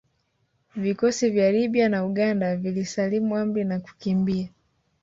Vikosi vya Libya na Uganda vilisalimu amri na kukimbia